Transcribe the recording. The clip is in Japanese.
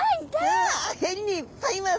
うわへりにいっぱいいます！